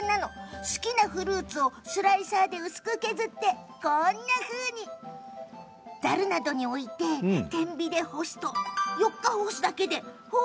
好きなフルーツをスライサーで薄く削ってこんなふうに、ざるなどに置いて天日干しでたった４日干すだけ。